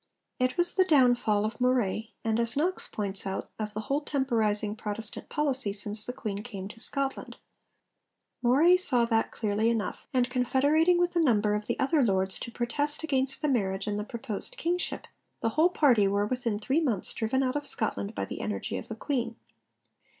It was the downfall of Moray, and, as Knox points out, of the whole temporising Protestant policy since the Queen came to Scotland. Moray saw that clearly enough, and confederating with a number of the other Lords to protest against the marriage and the proposed kingship, the whole party were within three months driven out of Scotland by the energy of the Queen.